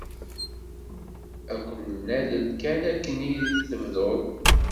Ad kem-nalel kan akken ad tebdud.